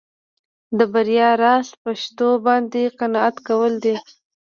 د بریا راز په شتو باندې قناعت کول دي.